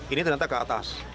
ini ternyata ke atas